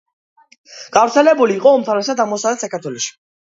გავრცელებული იყო უმთავრესად აღმოსავლეთ საქართველოში.